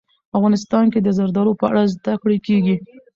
افغانستان کې د زردالو په اړه زده کړه کېږي.